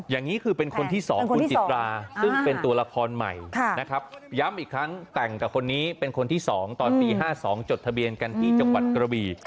อย่างนี้คือเป็นคนที่๒คุณจิตราซึ่งเป็นตัวละครใหม่นะครับย้ำอีกครั้งแต่งกับคนนี้เป็นคนที่๒ตอนปี๕๒จดทะเบียนกันที่จังหวัดกระบี